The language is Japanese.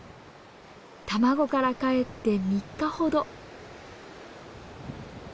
卵からかえって３日ほど。